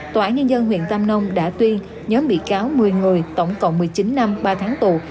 tòa án nhân dân huyện tam nông đã tuyên nhóm bị cáo một mươi người tổng cộng một mươi chín năm ba tháng tù